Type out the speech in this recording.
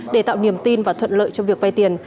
để tạo niềm tin và thuận lợi cho việc vay tiền